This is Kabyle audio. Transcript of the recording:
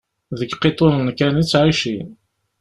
Deg iqiḍunen kan i ttɛicin.